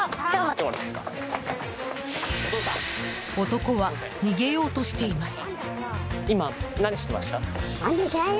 男は逃げようとしています。